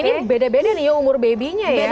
ini beda beda nih ya umur baby nya ya